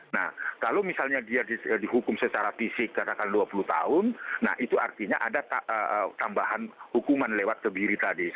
nah kalau misalnya dia dihukum secara fisik katakanlah dua puluh tahun nah itu artinya ada tambahan hukuman lewat kebiri tadi